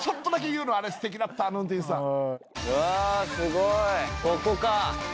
うわすごいここか。